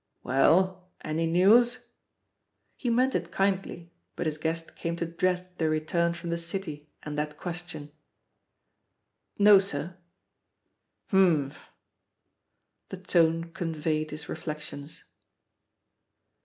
"Well, any news?" He meant it kindly, but his guest came to dread the return from the City and that question. "No, sir." "Humph 1" The tone conveyed his reflections.